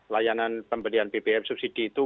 layanan pembelian bbm subsidi itu